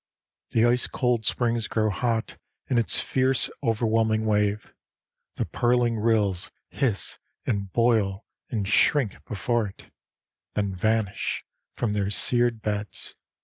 The ice cold springs grow hot in its fierce overwhelming wave, the purling rills hiss and boil and shrink before it, then vanish from their seared beds.